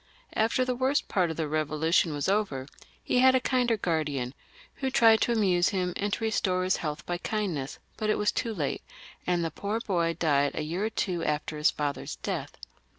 After the worst part of the Eevolution was over, he had a kinder guardian, who tried to amuse him and to bring back his health by kindness, but it was too late, and the poor boy died a year or two after his father's d^th.